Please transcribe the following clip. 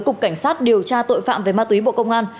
cục cảnh sát điều tra tội phạm về ma túy bộ công an